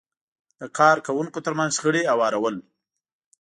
د کار کوونکو ترمنځ شخړې هوارول،